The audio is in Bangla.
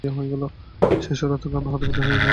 সে স্বর আতঙ্কে আমাকে হতবুদ্ধি করে দিয়ে গেল।